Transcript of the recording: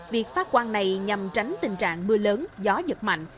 việc phát quan này nhằm tránh tình trạng mưa lớn gió giật mạnh